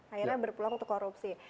akhirnya berpeluang untuk korupsi